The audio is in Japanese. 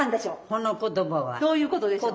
その言葉は。どういうことでしょう？